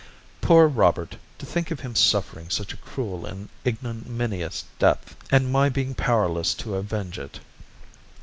"Poor Robert! To think of him suffering such a cruel and ignominious death, and my being powerless to avenge it.